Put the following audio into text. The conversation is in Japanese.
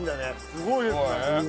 すごいです。